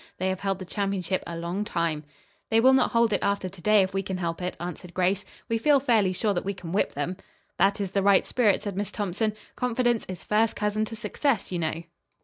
They have held the championship a long time." "They will not hold it after to day if we can help it," answered Grace. "We feel fairly sure that we can whip them." "That is the right spirit," said Miss Thompson. "Confidence is first cousin to success, you know."